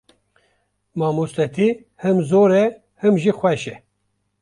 Mamostetî him zor e him jî xweş e.